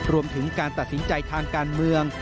รวมถึงการตัดสินใจทางการเมือง